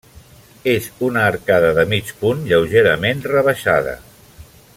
És una arcada de mig punt, lleugerament rebaixada.